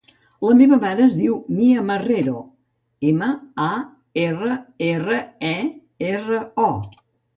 La meva mare es diu Mia Marrero: ema, a, erra, erra, e, erra, o.